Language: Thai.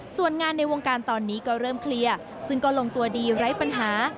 ส่วนงานในวงการตอนนี้ก็เริ่มเคลียร์ซึ่งก็ลงตัวดีไร้ปัญหา